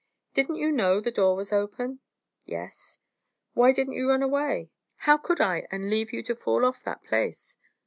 "Didn't you know the door was open?" "Yes." "Why didn't yer run away?" "How could I, and leave you to fall off that place?"